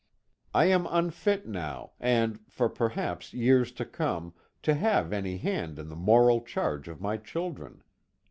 I am unfit now, and for perhaps years to come, to have any hand in the moral charge of my children.